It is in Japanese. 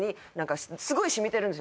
すごい染みてるんですよ。